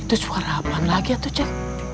itu suara apaan lagi ya tuh ceng